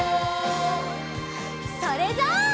それじゃあ。